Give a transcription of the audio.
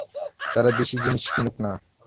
তারা দিশি জিনিস কিনুক-না।